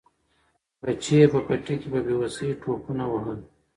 بچي یې په پټي کې په بې وسۍ ټوپونه وهل.